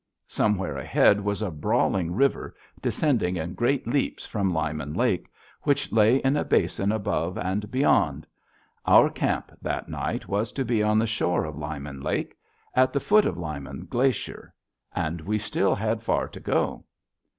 Somewhere ahead was a brawling river descending in great leaps from Lyman Lake, which lay in a basin above and beyond. Our camp, that night, was to be on the shore of Lyman Lake, at the foot of Lyman Glacier. And we had still far to go.